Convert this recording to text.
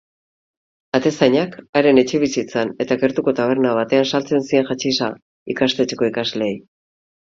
Atezainak haren etxebizitzan eta gertuko taberna batean saltzen zien haxixa ikastetxeko ikasleei.